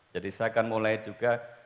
jadi saya akan mulai juga